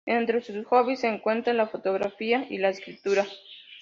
Entre sus hobbies se encuentran la fotografía y la escritura.